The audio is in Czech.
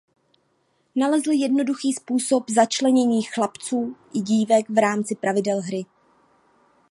Nalezl jednoduchý způsob začlenění chlapců i dívek v rámci pravidel hry.